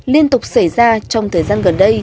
liên tục xảy ra trong thời gian gần đây